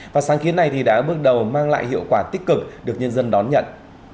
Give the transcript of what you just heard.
và sáng kiến này thì đã bước đầu mang lại hiệu quả tích cực được nhân dân đón nhận